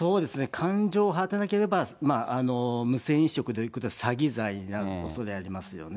勘定を払っていなければ、無銭飲食ということで、詐欺罪になるおそれありますよね。